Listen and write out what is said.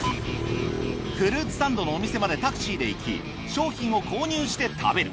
フルーツサンドのお店までタクシーで行き商品を購入して食べる。